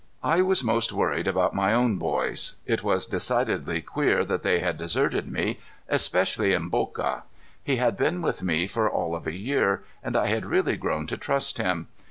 I was most worried about my own boys. It was decidedly queer that they had deserted me, especially Mboka. He had been with me for all of a year, and I had really grown to trust him.